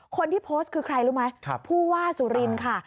คนที่โพสต์คือใครรู้ไหมผู้ว่าสุรินค่ะ